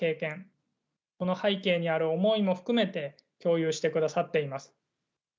この背景にある思いも含めて共有してくださっています。